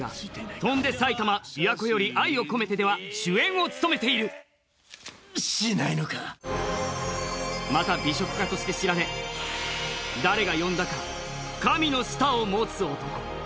翔んで埼玉琵琶湖より愛をこめてで主演を務めているしないのかまた美食家として知られ誰が呼んだか神の舌を持つ男